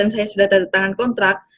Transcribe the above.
saya sudah tanda tangan kontrak